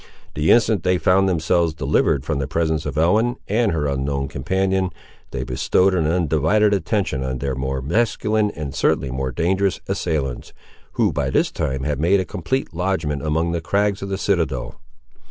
The instant they found themselves delivered from the presence of Ellen and her unknown companion, they bestowed an undivided attention on their more masculine and certainly more dangerous assailants, who by this time had made a complete lodgment among the crags of the citadel.